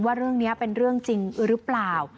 ว่าเรื่องนี้เป็นเรื่องจริงหรือเปล่า